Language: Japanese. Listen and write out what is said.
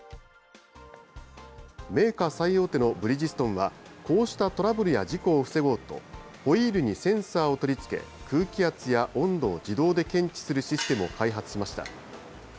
メーカー最大手のブリヂストンは、こうしたトラブルや事故を防ごうと、ホイールにセンサーを取り付け、空気圧や温度を自動で検知するシステムを開発しました。